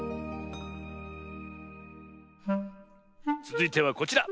つづいてはこちら。